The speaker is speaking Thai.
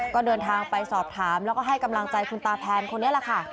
ก็เดินทางไปสอบถามแล้วก็ให้กำลังใจคุณตาแพนคนนี้แหละค่ะ